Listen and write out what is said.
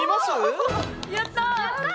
やった！